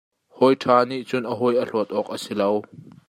Hawi ṭha nih cun a hawi a hlawt awk a si lo.